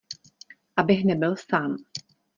Abych nebyl sám.